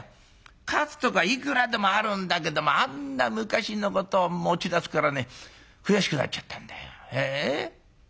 勝つとこいくらでもあるんだけどもあんな昔のことを持ち出すからね悔しくなっちゃったんだよ。